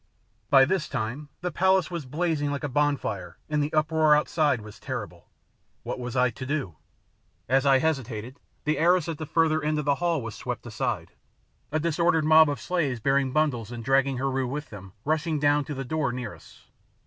By this time the palace was blazing like a bonfire and the uproar outside was terrible. What was I to do? As I hesitated the arras at the further end of the hall was swept aside, a disordered mob of slaves bearing bundles and dragging Heru with them rushing down to the door near us.